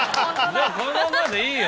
じゃあこのままでいいよ。